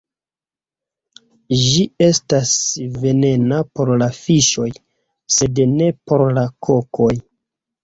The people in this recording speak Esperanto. Ĝi estas venena por la fiŝoj, sed ne por la kokoj.